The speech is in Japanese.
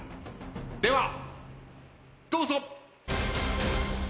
ではどうぞ！